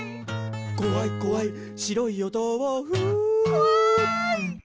「こわいこわい白いおとうふ」こわい！